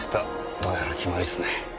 どうやら決まりっすね。